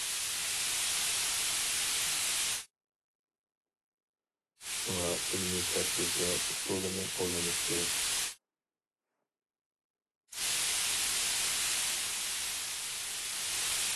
شۇڭا ئىلمىي تەرتىپ ۋە ئۇسۇلىنى قوللىنىش كېرەك.